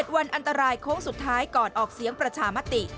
วันอันตรายโค้งสุดท้ายก่อนออกเสียงประชามติ